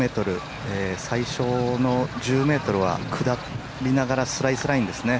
最初の１０ｍは下りながらスライスラインですね。